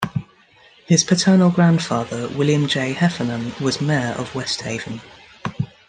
His paternal grandfather, William J. Heffernan, was mayor of West Haven.